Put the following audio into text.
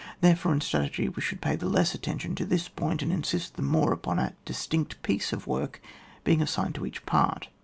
Therefore in strategy we should pay the less attention to this point, and insist the more upon a distinct piece of work being assigned to each part.